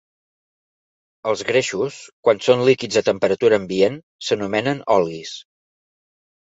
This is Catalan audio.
Els greixos, quan són líquids a temperatura ambient, s'anomenen olis.